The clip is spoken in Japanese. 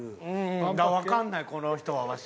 うんわからないこの人はわし。